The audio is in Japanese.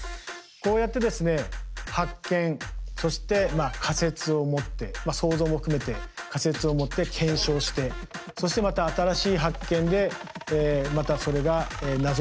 こうやってですね発見そして仮説を持って想像も含めて仮説を持って検証してそしてまた新しい発見でまたそれが謎が深まっていく。